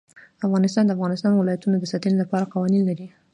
افغانستان د د افغانستان ولايتونه د ساتنې لپاره قوانین لري.